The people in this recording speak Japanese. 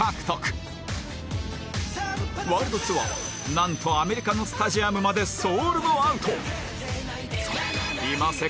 ワールドツアーはなんとアメリカのスタジアムまでソールドアウト